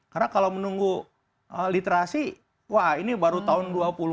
karena kalau menunggu literasi wah ini baru tahun dua puluh